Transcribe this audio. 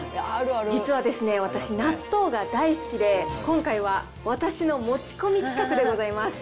実はですね、私、納豆が大好きで、今回は私の持ち込み企画でございます。